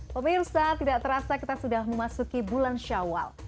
pemirsa tidak terasa kita sudah memasuki bulan syawal